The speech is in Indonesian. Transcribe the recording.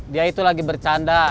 dia itu lagi bercanda